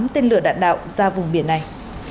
tám tên lửa đạn đạo ra vùng biển này